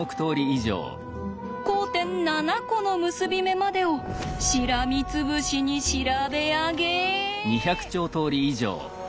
交点７コの結び目までをしらみつぶしに調べ上げ。